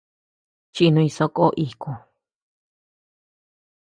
Chinuñ soʼö ko iku.